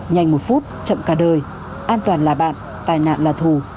nhanh một phút chậm cả đời an toàn là bạn tai nạn là thù